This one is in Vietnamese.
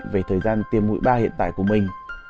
về thời gian tiêm mũi ba hiện tại của mình